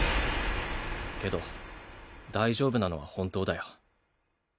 けど大丈夫なのは本当だよ。